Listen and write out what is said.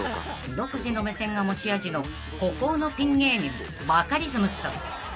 ［独自の目線が持ち味の孤高のピン芸人バカリズムさん］